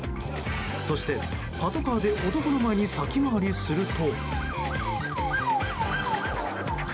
そして、パトカーで男の前に先回りすると。